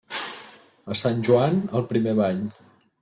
A Sant Joan, el primer bany.